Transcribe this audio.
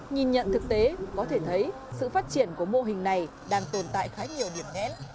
nhìn nhận thực tế có thể thấy sự phát triển của mô hình này đang tồn tại khá nhiều điểm nghẽn